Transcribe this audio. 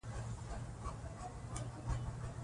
احتکار د اقتصاد لپاره زیان لري.